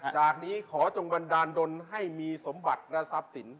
จากนี้ขอจงบันดาลดนให้มีสมบัติและทรัพย์สิน